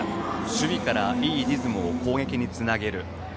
守備から、いいリズムを攻撃につなげる。